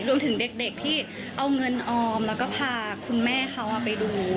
รวมถึงเด็กที่เอาเงินออมแล้วก็พาคุณแม่เขาไปดู